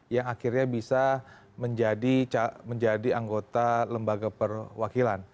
yang akhirnya bisa menjadi anggota lembaga perwakilan